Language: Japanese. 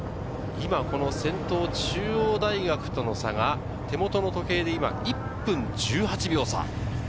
先頭、中央大学との差が手元の時計で１分１８秒差。